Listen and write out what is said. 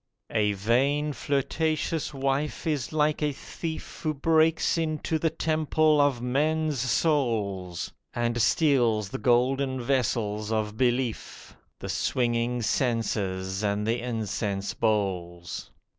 A vain, flirtatious wife is like a thief Who breaks into the temple of men's souls, And steals the golden vessels of belief, The swinging censers, and the incense bowls.